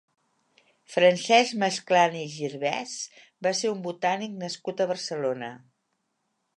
Francesc Masclans i Girvès va ser un botànic nascut a Barcelona.